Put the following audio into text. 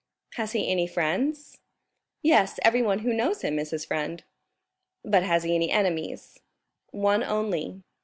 "Has he any friends?" "Yes, everyone who knows him is his friend." "But has he any enemies?" "One only."